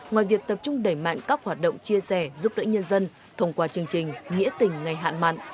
ngoài việc tập trung đẩy mạnh các hoạt động chia sẻ giúp đỡ nhân dân thông qua chương trình nghĩa tình ngày hạn mặn